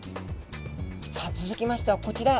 さあ続きましてはこちら！